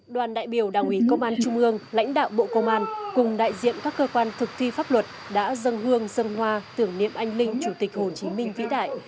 đoàn đại biểu đảng ủy công an trung ương lãnh đạo bộ công an cùng đại diện các cơ quan thực thi pháp luật đã dâng hương dân hoa tưởng niệm anh linh chủ tịch hồ chí minh vĩ đại